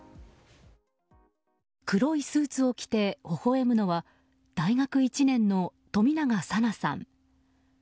黒いスーツを着てほほ笑むのは大学１年の冨永紗菜さん。